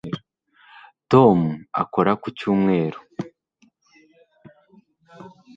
Tom akora ku cyumweru